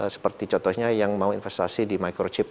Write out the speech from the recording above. seperti contohnya yang mau investasi di microchip